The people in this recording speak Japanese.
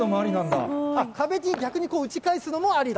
壁に打ち返すのもありなんだ。